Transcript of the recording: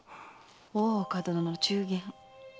大岡殿の中間。